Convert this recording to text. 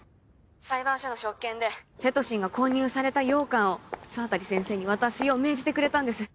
裁判所の職権でセトシンが混入された羊羹を沢渡先生に渡すよう命じてくれたんです